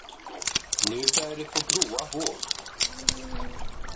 Nu börjar de få gråa hår.